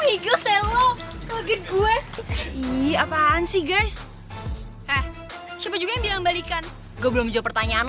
iya apaan sih guys siapa juga bilang balikan gue belum jawab pertanyaan